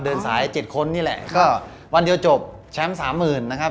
เดินสาย๗คนนี่แหละก็วันเดียวจบแชมป์สามหมื่นนะครับ